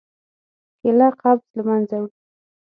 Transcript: کېله قبض له منځه وړي.